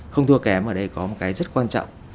không thua kém ở đây có một cái rất quan trọng